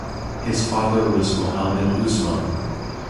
His father was Mohammad Usman.